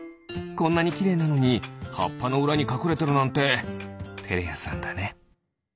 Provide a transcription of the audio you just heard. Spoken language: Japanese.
こんなにきれいなのにはっぱのうらにかくれてるなんててれやさんだね。